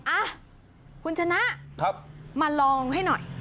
อ่ะคุณชนะมาลองให้หน่อย